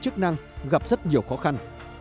chức năng gặp rất nhiều khó khăn